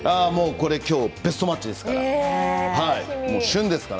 きょうはベストマッチですから。